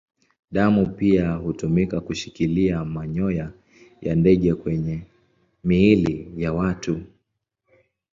Damu pia hutumika kushikilia manyoya ya ndege kwenye miili ya watu.